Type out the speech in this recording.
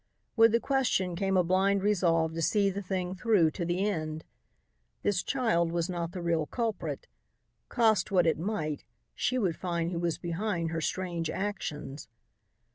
With the question came a blind resolve to see the thing through to the end. This child was not the real culprit. Cost what it might, she would find who was behind her strange actions.